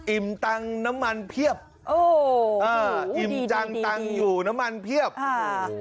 ตังค์น้ำมันเพียบโอ้โหอ่าอิ่มจังตังค์อยู่น้ำมันเพียบอ่า